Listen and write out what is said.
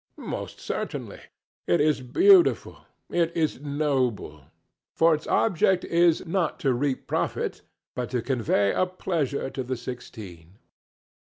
Most certainly. It is beautiful, it is noble; for its object is, not to reap profit, but to convey a pleasure to the sixteen.